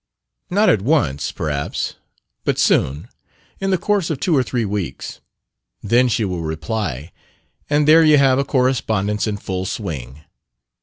"Not at once, perhaps; but soon: in the course of two or three weeks. Then she will reply, and there you have a correspondence in full swing.